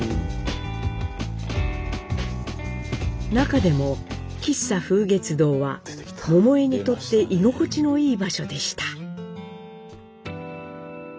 中でも喫茶「風月堂」は桃枝にとって居心地のいい場所でした。